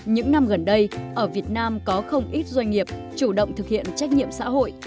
những năm gần đây ở việt nam có không ít doanh nghiệp chủ động thực hiện trách nhiệm xã hội